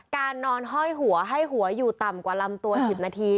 การนอนห้อยหัวให้หัวอยู่ต่ำกว่าลำตัว๑๐นาที